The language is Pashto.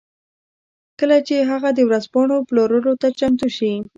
کله چې هغه د ورځپاڼو پلورلو ته چمتو شي